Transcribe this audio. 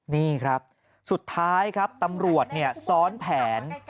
นี่ครับสุดท้ายครับตำรวจซ้อนแผน